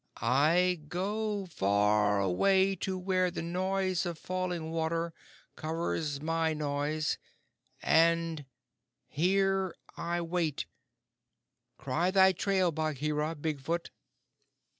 "I go far away to where the noise of falling water covers my noise; and here I wait. Cry thy trail, Bagheera, Big Foot!"